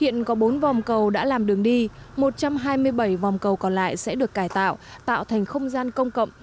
hiện có bốn vòng cầu đã làm đường đi một trăm hai mươi bảy vòng cầu còn lại sẽ được cải tạo tạo thành không gian công cộng